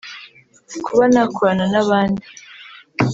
kuba nakorana n’abandi